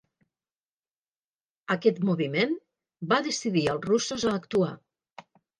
Aquest moviment va decidir als russos a actuar.